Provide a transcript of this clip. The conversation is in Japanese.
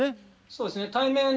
そうですね。